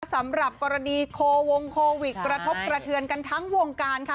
สำหรับกรณีโควงโควิดกระทบกระเทือนกันทั้งวงการค่ะ